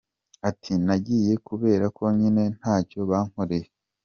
Ati “Nagiye kubera ko nyine ntacyo bankoreye.